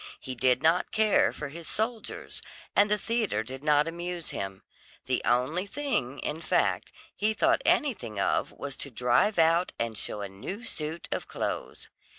He did not care for his soldiers, and the theatre did not amuse him; the only thing, in fact, he thought anything of was to drive out and show a new suit of clothes.